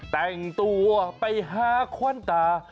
แต่งตัวไปหาควันตา